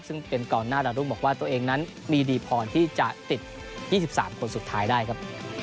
ซึ่งเป็นกองหน้าดาวรุ่งบอกว่าตัวเองนั้นมีดีพอที่จะติด๒๓คนสุดท้ายได้ครับ